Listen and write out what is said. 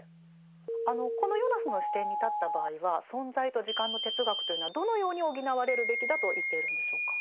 このヨナスの視点に立った場合は「存在と時間」の哲学というのはどのように補われるべきだと言っているんでしょうか？